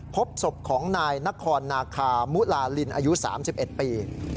พบศพของนายนครนาคามุลาลินอายุ๓๑ปี